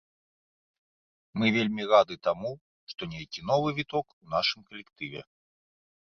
Мы вельмі рады таму, што нейкі новы віток у нашым калектыве.